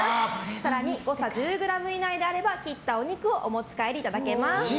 更に誤差１０ｇ以内であれば切ったお肉をお持ち帰りいただけます。